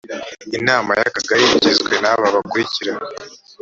inama y akagari igizwe n aba bakurikira